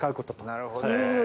なるほど。